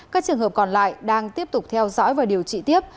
các trường hợp còn lại đang tiếp tục theo dõi và điều trị tiếp